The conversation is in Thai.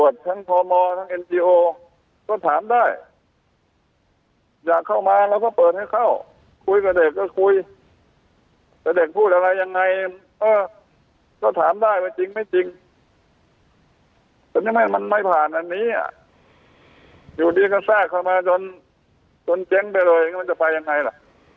จนเจ๊งไปเลยมันจะไปยังไงล่ะ